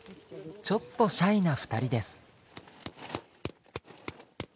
ちょっとシャイな２人です。